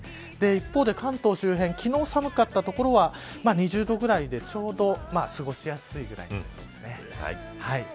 一方で関東周辺昨日寒かった所は２０度ぐらいでちょうど過ごしやすいぐらいになりそうです。